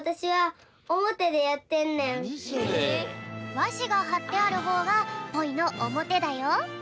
わしがはってあるほうがポイのおもてだよ。